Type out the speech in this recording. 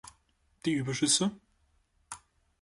Die Überschüsse?